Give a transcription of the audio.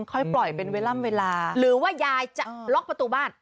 ค่อยปล่อยเป็นเวลาล่ำเวลาหรือว่ายายจะล็อกประตูบ้าน